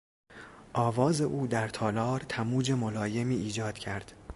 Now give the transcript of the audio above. آواز او در تالار تموج ملایمی ایجاد کرد.